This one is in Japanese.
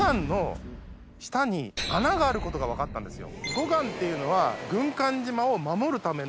護岸っていうのは。